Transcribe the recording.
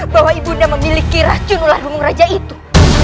bahwa ibunda memiliki racun ular bumung raja itu